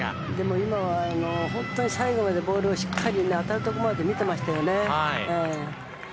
今のは本当に最後までボールをしっかり当たるところまで見ていましたよね。